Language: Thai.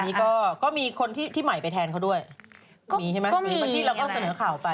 อันนี้ก็มีคนที่ใหม่ไปแทนเขาด้วยมีใช่ไหมมีบางทีเราก็เสนอข่าวไป